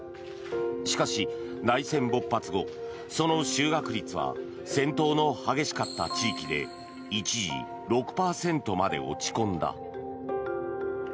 しかし、内戦勃発後その就学率は戦闘の激しかった地域で一時、６％まで落ち込んだ。